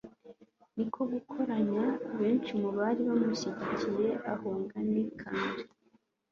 ni ko gukoranya benshi mu bari bamushyigikiye, ahunga nikanori